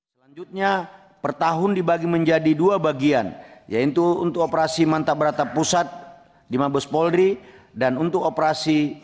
selanjutnya per tahun dibagi menjadi dua bagian yaitu untuk operasi mantap berata pusat di mabes polri